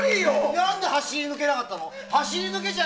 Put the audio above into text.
なんで走り抜けなかったの？